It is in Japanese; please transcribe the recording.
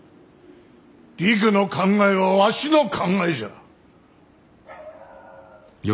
りくの考えはわしの考えじゃ。